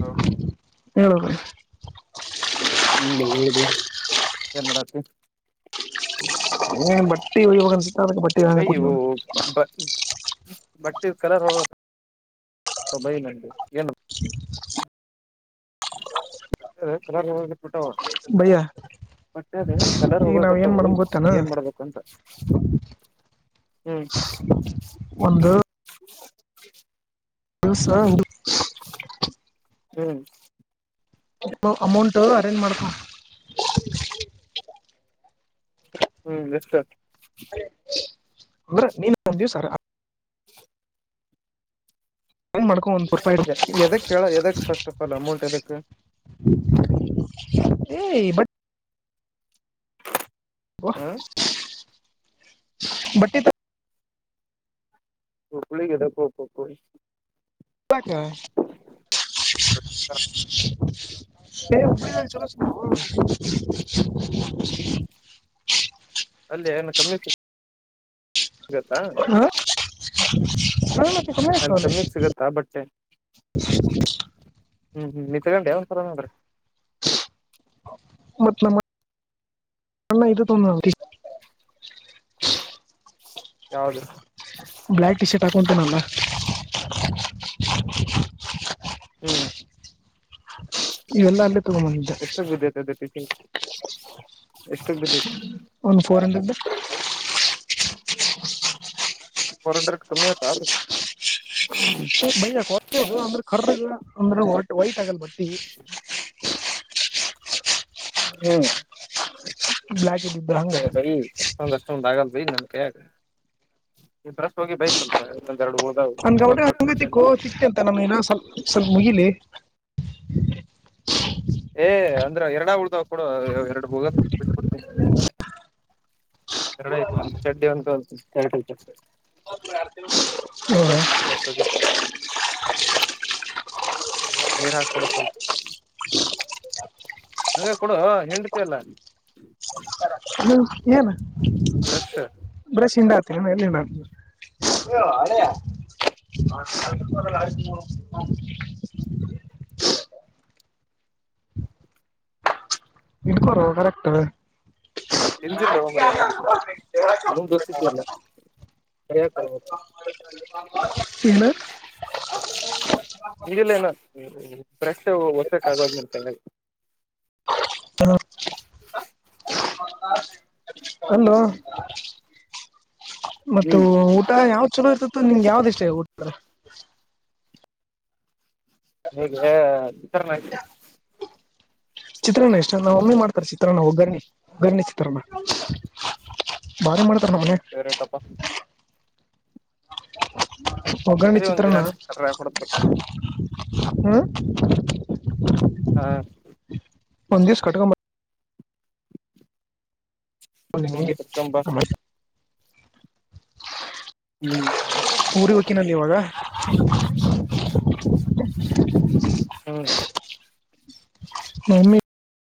ಹಾ ಹೇಳಕ ಹ ಹೇಳ ಏನ್ ಮಾಡತಿ ಏ ಬಟ್ಟೆ ಇವಾಗ ಸಿಕ್ಕೆ ಬಟ್ಟ ಬೈ ಬ ಬಟ್ಟೆ ಕಲರ್ ಹೋಗುತ್ತ ಬೈ ನಡಿ ಏನು ಟ್ಟಲ [unintelligible] ಬೈಯ ಒಟ್ಟೆದ ಕಾಲೋರ್ ಗೊತ್ತಾನ ಹೋಗಕತ್ದ್ ಏನ್ ಮಾದ್ಬೇಕು ಅಂತಾ ಹ್ಮ್ ಒಂದು ಹಸ ಹ್ಮ್ ಅಮೌಂಟ್ ಅರೇಂಜ್ ಮಾಡ್ತ ಹ್ಮ್ ಎಷ್ಟು ಅಂದ್ರೆ ನೀನ್ಂದ ದಿವ್ಸರ್ ಅರೇಂಜ್ ಮಾಡ್ಕೊ ಒಂದ್ ರೂಪಾಯಿ ಇಡು. ಎದಕ್ ಹೇಳ ಎದಕ್ ಫಸ್ಟ್ ಆಫ್ ಆಲ್ ಅಮೌಂಟ್ ಎದಕ್ ಏ ಬಟ್ ಹ ಬಟ್ಟೆ ಹಕ್ಳಗದ ಕೊೋಕಕ್ಕ [unintelligible] ಪಕಶ ಉಳ ಚಲೋ ಅಲ್ಲಿ ಏನು ಕಮ್ಮಿತ್ತು ಹ ಸಿಗತ್ತಾ ಹಾ, ಮತ್ತೆ ಕಮ್ಮಿ ಅಲ್ಲಿ ಆಗ್ತಾವಲ್ಲ. ಕಮ್ಮಿಗ್ ಸಿಗತ್ತಾ ಬಟ್ಟೆ [unintelligible] ಹ್ಮ್ ಹ್ಮ್ ನಿನ್ ತಗೊಂಡಿಯ ಒಂದು ಸತಿ ಆದ್ರೂ [unintelligible] ಮತ್ತ ನಮ್ಮ [inaudible] ಅಣ್ಣ ಇದು ತಂದನಲ್ಲ ಟಿ ಶರ್ಟ್ ಯಾವದು. ಬ್ಲಾಕ್ ಟಿ ಶರ್ಟ್ ಹಾಕೊಂತನಲ್ಲ. ಹ್ಮ್ [unintelligible] ಇವೆಲ್ಲ ಅಲ್ಲೇ ತಗೊಂಬಂದಿದ್ದೆ ಎಷ್ಟಕ್ಕೆ ಬಿದ್ದಿದೆ ಅದು ಟೀಚಿಂಗ್ಸ. ಎಸ್ಟಕ್ ಬಿದ್ದತಿ. ಒಂದ ಫೋರ್ ಹಂಡ್ರೆಡ್. ಫೋರ್ ಹಂಡ್ರೆಡ್ ಕಮ್ಮಿ ಆಯ್ತಾ ಅದು. ಬೈಅಕಿ ವಟ್ಟ ಓಲ್ಲ್ಯಾ ಕರ್ಗ ಅಂದ್ರ ವರ್ಟ್ ವೈಟ್ ಆಗಲ್ ಬರ್ತಿ ಹ್ಮ್ ಬ್ಲಾಕ್ಇದ್ದಿದ್ದ ಎ ಬೈ. ಅಷ್ಟೊಂದ್ ಅಷ್ಟೊಂದ್ ಆಗಲ ಬೈ ನಮ್ ಕೈಯಗ ಇ್ರಸ್ಟ್ ಹೋಗಿ ಬೈಕ್ಲ್ ಇನ್ನೊಂದ ಎರಡು ಉಳದವ್ ನಮ್ಮ ಗೌಡ್ಯಾ ಹಂಗ ತಿಕ್ಕೋ ತಿಕ್ ಅಂತ ನಮಗೆಲ್ಲ ಸ್ವಲ್ ಸ್ವಲ್ಪ ಮುಗಿಲಿ. ಏ ಅಂದ್ರ ಎರಡ ಉಳ್ದವ ಕೊಡ ಎರಡು ಬೂಗ ಬಿಟ್ಟ ಬಿಡತೀನಿ. ಎರಡ ಆಯ್ತು ಒಂದ ಚಡ್ಡಿ ಒಂದು ಗಲ್ಸ್ ಶರ್ಟ್ ಅಷ್ಟ. ಇನ್ನೊಂದ ಎರಡು ತಿಂಗಳು ಕ ಕಡ ರಷ್ಟಾಗಿ [unintelligible] [unintelligible] ನೀರ ಹಾಕ ಕೊಡು ಸ್ವಲ್ಪ [unintelligible] ಎ ಕೊಡ ಹೆಂಡತಿ ಅಲ್ಲ. ಹು ಏನ್ ಬ್ರಷ್ ಬ್ರಷ್ ಹಿಂಡತ್ತಿರೇನ ಯಲ್ಲಿ ಹಿಂಡಾಕ್ತ್ತಿರಿ ಯೋ ಅಳಿಯ ಹ [unintelligible] ಹ್ಞ ಇಡಕೊರೋ ಕರೆಕ್ಟ್. ಎಿಂಜಿಲ್ಲ ಮಾರಾಯ ನಿಂದ್ [unintelligible] ಮುಂದ ತೋರಸತಿ ಅಲ್ಲ ಕರಿಯಕ್ ಬರಬೇಕ. [unintelligible] ಏನ್ [unintelligible] ತೆಗೆಲೆನ್ [unintelligible] ಕರೆಕ್ಟ್ ಒತ್ತೋಕ ಆಗವಲ್ಲ್ದ ನಿನ್ನ ಕೈಯಾಗ್. [unintelligible] ಹು [unintelligible] ಅಲ್ಲೋ. ಮತ್ತು ಹ್ಮ್ ಊಟ ಯಾವ್ ಚಲೋ ಇರ್ತೋ ನಿಂಗ ಯಾವ್ದ ಇಷ್ಟೇ ಊಡ್ತಾರೆ. ಹೇಗೆ [unintelligible] ಚಿತ್ರಾನ್ನ ಇಷ್ಟನಾ ಅವ್ರು ಮಾಡ್ತಾರೆ ಚಿತ್ರಾನ್ನ ಒಗ್ಗರ್ರಣಿ ಒಗ್ಗರ್ಣಿ ಚಿತ್ರಾನ್ನ. ಬಾರಿ ಮಾಡ್ತಾ ನಮ್ಮ ಫೇವರೆಟ್ ಪಾ. ಒಗರಣಿ ಸರಿ ಒಂದ್ ದಿನ ಚಿತ್ರಾನ್ನ. ಕರ್ರ ಕೊಡಕ್ ಬರ್ತೇನಿ [unintelligible] ಹ್ಮ ಹಾ ಒಂದ್ ದಿವಸ್ ಕಟ್ಟಗೊಂಡು ಬಾ ಹ್ಮ್ ನಿಗೆ ಕರ್ಕೊಂಬಾ ನಮಸ್ [unintelligible] [inaudible] ಹ್ಮ್ ಊರಿಗೆ ಹೊಕ್ಕಿನಲ್ಲ ಇವಾಗ ಹ್ಮ್. ನಮ್ಮ ಮಮ್ಮಿ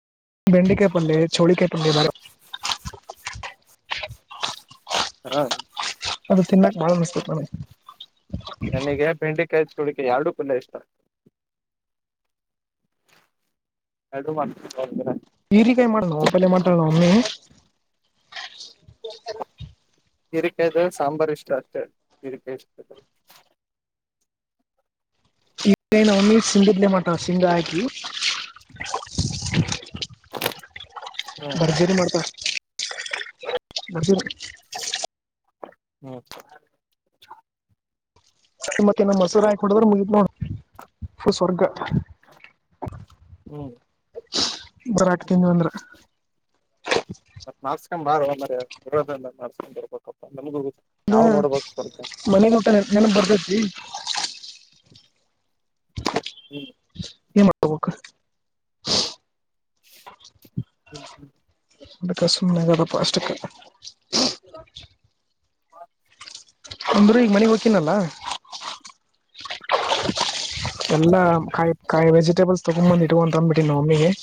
[inaudible] ಬೆಂಡಿಕಾಯಿ ಪಲ್ಲೆ ಚವಳಿಕಾಯಿ ಪಲ್ಲೆ ಮಾಡ ಹಾ. ಅದ ತಿನ್ನಕ್ ಬಾಳ ಮಸ್ತ ಐತಿ ನನಗ. ನನಗೆ ಬೆಂಡೆ ಕಾಯಿ ಚಾವಳಿಕಾಯಿ ಎರಡು ಪಲ್ಲೆ ಇಷ್ಟ. ಅದು ಮಾಡ್ತ [unintelligible] ಈರಿಕಾಯಿ ಮಾಡೋಣ ನಾಪಲ್ಲೆ ಮಾಡತಾ ನಮ್ಮ್ ಮಮ್ಮಿ. ಈರಿಕಾಯದು ಸಾಂಬಾರ್ ಇಷ್ಟು ಅಷ್ಟೇ ಹೀರೆಕಾಯಿ ಇಷ್ಟು ಅ ಈನ ಒನ್ಲಿ ಸಿಂಗಡ್ಲೇ ಮಾಡ್ತಾಳ ಸಿಂಗ ಆಕಿ. [inaudible] ಹ್ಮ್ ಭರ್ಜರಿ ಮಾಡ್ತಾಳ ಭರ್ಜರಿ. ಹ್ಮ್ ಮತ್ತೆ ನ ಮಸೂರೇ ಹಾಕಿ ಕುಡಿದ್ರೆ ಮುಗೀತ್ ನೋಡು ಪುಲ್ ಸ್ವರ್ಗ. ಹ್ಮ್ ಮೊಸರು ಹಾಕಿ ತಿಂದ್ವಿ ಅಂದ್ರ ಮತ್ತ್ ಮಾಡಿಸಿಕೊಂ ಬಾರೋ ಮಾರಾಯ ಅಂದ್ರೆ ಇರೋದಿಂದ ಮಾಡಾರ್ಸ್ಕೊಂಡ್ ಬರ್ಬೇಕಪ್ಪ ನಮಗೂ ರು [unintelligible] ಹ ಮನೆಗ್ ಊಟ ನೆನಪ್ ಬರ್ತೇತಿ. ಹ್ಮ್ ಏನ್ ಮಾಡ್ಕ ಬೇಕ. ಹ್ಮ್ ಹ್ಮ್ ಅದಕ ಸುಮ್ಮನೆ [unintelligible] ಅಷ್ಟೇ. [inaudible] ಅಂದ್ರೇ ಈಗ ಮನೆಗ್ ಹೋಗಕಿನಲ್ಲ. ಎಲ್ಲಾ ಕಾಯಿ ಕಾಯಿ ವೆಜಿಟೇಬಲ್ಸ್ ತಗೊಂಡ್ ಬಂದ ಇಟ್ಕ ಅಂತ ಅಂದಬಿಟ್ಟೀನೀ ನಮ್ ಮಮ್ಮಿಗೆ. [inaudible]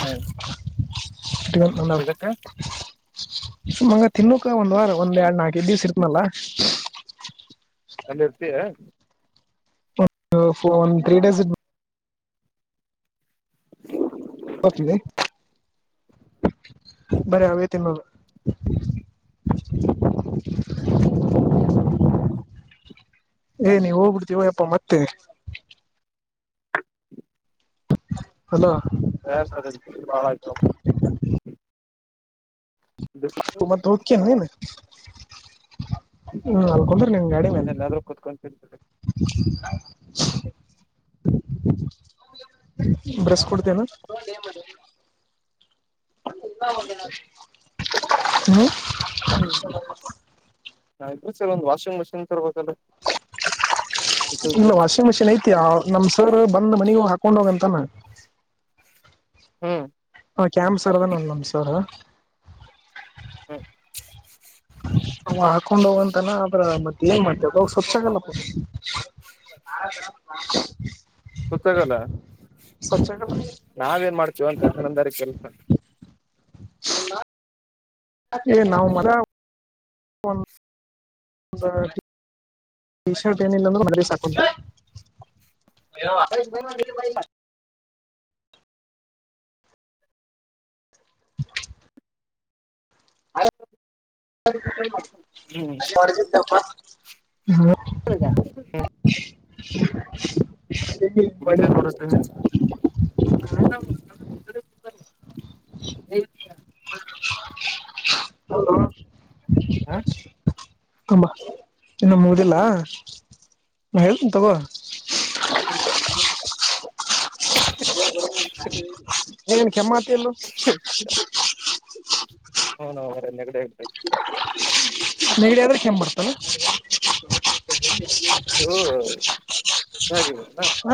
ಹ್ಮ [unintelligible] ಸುಮ್ ಅಂಗ ತಿನ್ನಕ ಒಂದ್ ವಾರ ಒಂದ್ ಎರಡ್ ನಾಕೈದು ದಿವ್ಸ ಇರ್ತ್ನಲ್ಲ. ಇರ್ತೀಯಾ. ಒನ್ ತ್ರೀ ಡೇಸ್ [inaudible] ಬತೀನಿ ಬರೀ [unintelligible] ತಿನ್ನೋರು. [inaudible] ಏ ನೀ ಹೋಗ್ಬಿಡ್ತೀವಯ್ಯಪ್ಪ ಮತ್ತೇ. ಅಲ [unintelligible] [unintelligible] ಹೋಗ್ಕಿ ಏನ್ ನೀನು ಹ್ಮ ಅಲ್ಲ ಕುಂದರಿ ನಿಮ್ಮ ಗಾಡಿ ಮೇಲ ಎಲ್ಲಾದ್ರೂ ಕುತ್ಕೊಂಡ್ [unintelligible] ಬ್ರಸ್ ಕೊಡ್ತೇನೆ ಹ [unintelligible] ಹೂ ಹೂ ನಾವು ಇಬ್ಬರು ಸೇರಿ ಒಂದು ವಾಷಿಂಗ್ ಮಷಿನ್ ತರ್ಬೇಕಲ್ಲ ಇಲ್ಲ ವಾಷಿಂಗ್ ಮಷಿನ್ ಐತಿ ನಮ್ ಸರ್ ಬಂದ್ ಮನಗ ಹೋಗ ಹಾಕೊಂಡ ಹೋಗಂತಾನ ಹೂ ಹ ಕ್ಯಾಂಪ್ ಸರ್ ಅದನಲ್ಲ ನಮ್ ಸರ್ ಹಾ ಅವ ಹಾಕೊಂಡ್ ಹೋಗಂತನ ಅಂದ್ರ ಮತ್ತೆ ನು ಮಾಡತ ಸ್ವಚ್ಛಾಗಲ್ಲ ಸುತ್ತಾಗಲ್ಲ ಸಚ್ಚಾಗಲ ನಾವ್ ಏನ್ ಮಾಡ್ತೀವ ಅಂತ ಜನಂದಾರಿ ಕೆಲ್ಸ [unintelligible] ಒಟೀ ಶರ್ಟ್ ಏನ್ ಇಲ್ಲ [unintelligible] [unintelligible] ಹ್ಮ್ [unintelligible] [unintelligible] [inaudible] ಇದಕ್ಕೇಂಗ್ ವರಸ್ದೇ ನೀ. [unintelligible] ಹಲೋ ಹ್ಮ ಅಂಮ ಇನ್ನೊ ಮುಗುದಿಲ್ಲ ನಾ ಹೇಳ್ತೀನಿ ತಗೋ. [unintelligible] ಏನೇನ್ ಕೆಮ್ಮಾತ ಇಲ್ಲೋ. [unintelligible] ನೆಗಡಿ ಹಾಕ್ಬಿಟ್ಟೈತಿ. ನೆಗಡಿಯಾದ್ರೆ ಕೆಮ್ ಬರ್ತವೆ.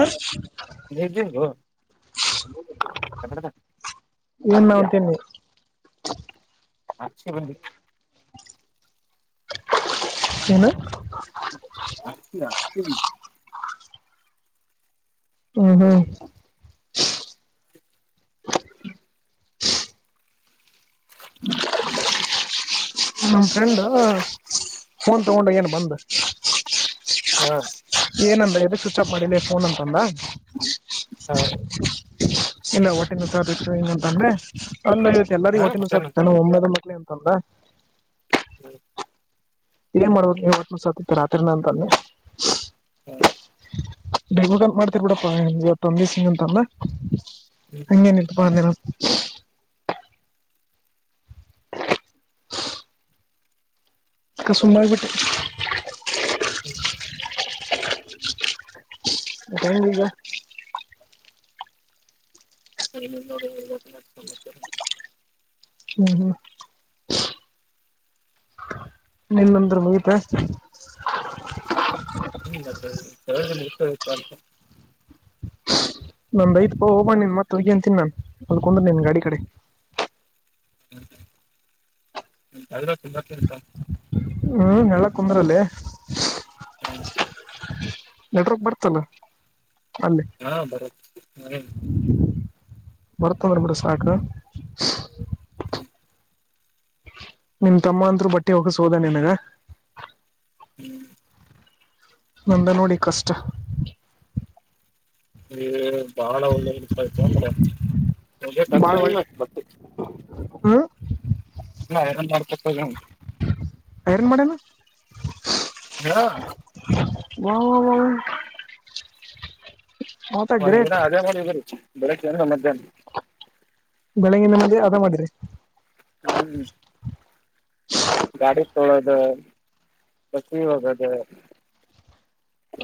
ಹ [unintelligible] ಏನ್ ನಾ ಹತ್ಯಾ ಅಂತೇನಿ ಆಚೆ ಬನ್ನಿ [unintelligible] ಏನು ಆತಿಿ ಆತಿಿ ಹ್ಮ್ ಹ್ಮ್ [inaudible] ನಮ್ಮ್ ಫ್ರೆಂಡ ಫೋನ್ ತಗೊಂಡ ಏನ್ ಬಂದ ಹ್ಮ ಏನಂದ ಎದೆ ಸ್ವಿಚ್ ಅಪ್ ಮಾಡಿಲ್ಲ ಫೋನ್ ಅಂತಂದ ಹೌ ಇಲ್ಲ ಒಟ್ಟಿನ ಸತ್ತು ಹಂಗ ಅಂತಂದ್ರೆ ಅ ಇ ಎಲ್ಲರಿ ಹಾ ಒಟ್ಟಿನ ಮತ್ತೇನು ಸಾನ ಒಮ್ಮೆದ ಮಕ್ಳಿ ಅಂತಂದ್ರ ಹ್ಮ ಏನ್ ಮಾಡ ಒ ಸಾತ ರಾತ್ರಿನ ಅಂತಾನೆ ಹಾಂ ಬೆಗ ಮಾಡ್ತರ್ ಬಿಡಪ್ಪಾವ ತಂದಿ ಸಿಂಗ ಅಂತಲ್ಲ ಹ್ಮ್ ಅನ ಬಂದರ [unintelligible] ಸುಮ್ಮ ಬಿಟ್ಟೆ ಹೌ ಗ [inaudible] [inaudible] ಹ್ಮ್ ಹ್ಮ್ ನಿನ್ನಂದ್ರ ಮುಗಿತ ಹ್ಮ ಮತ್ತೆತೋಗ ಅಂತ [inaudible] [unintelligible] ನನ್ ಐತ್ಪಾ ಹೋಗಬ ನಿನ್ತ್ತ್ತ ಹಗಿ ಅಂತೀನ್ ಅದಕಂದ್ನಿನ್ ಗಾಡಿ ಕಡೆ [unintelligible] ಹ್ಮ್ ಹ್ಮ್ ಹರ ತುಂಬಂತ [unintelligible] ಹ್ಮ ನ ಕುಂದ್ರಲ್ಲಿ ಹ್ಮ ನೆಡವರ್ಕ್ ಬರ್ತಲ್ಲ ಅಲ್ಲಿ ಹಾ ಬರುತ್ತೆ ಹ್ಮ ಬರ್ತಂದ್ರ ಬಿಡ ಸಾಕ ಹ್ಮ ನಿಮ್ ತಮ್ಮ ಅಂತರು ಬಟ್ಟೆ ಹೋಗಿಸ್ ಹೋದ ನಿಮಗ ಹ್ಮ್ ನಂದ ನೋಡಿ ಕಷ್ಟ ಈ ಬಾಳ ಒಳ್ಳೆತಾಯತಂದ್ರ ತತ ಮ [inaudible] ಹಾ ಹಾ ಯರಾಮ್ ಮಾಡ್ಕೊತ ಹಾರಂಗ ಮಾಡನು ವ್ [unintelligible] ವ ವಾಟ್ ಎ ಒಂದ್ ದಿನ ಗ್ರೇಟ್ ಅದೇ ಮಾಡರಿ ಬೆಳಿಗ್ಗೆಏನ ಮಧ್ಯಾಹ್ನ ಬೆಳಿಗ್ನ ನೆಮ್ಮದಿ ಅದ ಮಾಡಿರಿ ಹ್ಮ್ ಗಾಡಿ ತೋಳೋದ ಬಸ ಹದ ಅದೇ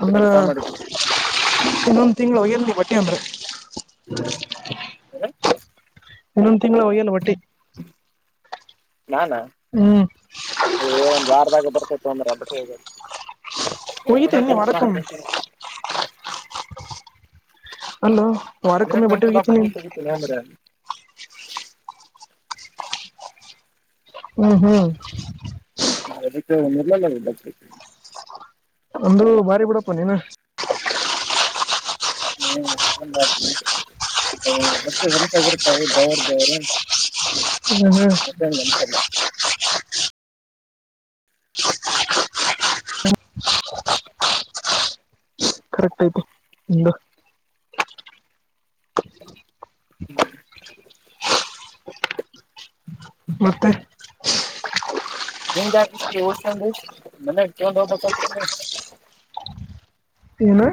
ಅಂದ್ರ ಇನ್ನೊಂದು ತಿಂ ಉಯರ್ತಿ ಬಟ್ಟಿ ಒಂದು ಹ ಇನ್ನೊಂದ್ ತಿಂಗಳು ಹೋಗ್ಯಲ್ ಒಟ್ಟಿ ನಾನ ಹ್ಮ್ ಇ ಒಂದ್ ವಾರದಾಗೆ ಬರ್ತೇತ್ತು ಅಂದ್ರೆಬ್ಬಟ್ಟ ಒ ಒಗಿತೇನ್ ನೀ ವಾರಕ್ಕೊಮ್ಮೆ [unintelligible] ಅಲ್ಲೋ ವಾರಕ್ಕೊಮ್ಮೆ ಬಟ್ಟೆ ದಿನಕ್ಕೊಂದ್ಸಲ ಹೋಗತಿ ನೀ ತೆಗಿತೀನಿ ಅಂದ್ರ ಹ್ಮ್ ಹ್ಮ್ ಅದಕ್ಕೆ ಮೊದಲ್ ಎಲ್ಲಾ [unintelligible] ಒಂದು ಬಾರಿ ಬಿಡಪ್ಪ ನೀನ ಹ್ಮ್ ಏನ್ ಮಾಡತಿ ಹ್ ಮತ್ತೆ [unintelligible] [unintelligible] ಕರೆಕ್ಟ್ ಆಯ್ಪೋ ನಿಮ್ದಾ [unintelligible] ಮತ್ತೆ [unintelligible] ಏನ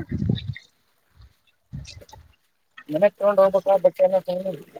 ಮನೆಗ್ ತೊಗೊಂಡ್ ಹೋಗಪ್ಪ [unintelligible]